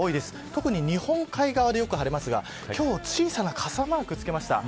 特に日本海側でよく晴れますが今日は小さな傘マークをつけました。